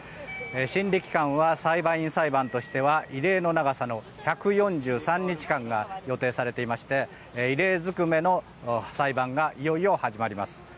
審理期間は裁判員裁判としては異例の長さの１４３日間が予定されていまして異例ずくめの裁判がいよいよ始まります。